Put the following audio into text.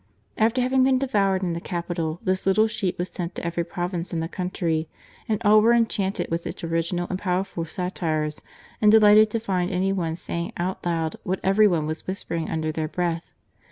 After having been devoured in the capital, this little sheet was sent to every province in the country, and all were enchanted with its original and powerful satires, and delighted to find any one saying out loud what every one was whispering under their breath.